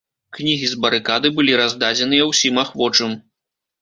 Кнігі з барыкады былі раздадзеныя ўсім ахвочым.